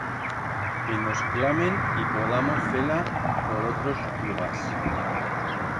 Que nos clamen y podamos fer-la por otros lugars...